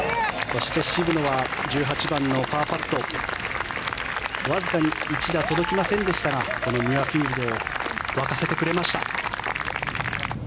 そして渋野は１８番のパーパットわずかに１打届きませんでしたがこのミュアフィールドを沸かせてくれました。